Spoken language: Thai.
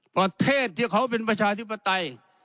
ประเทศที่เขาเป็นประชาธิปไตย